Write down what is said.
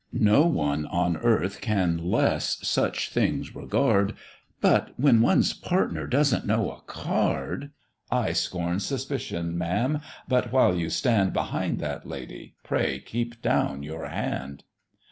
No one on earth can less such things regard, But when one's partner doesn't know a card I scorn suspicion, ma'am, but while you stand Behind that lady, pray keep down your hand."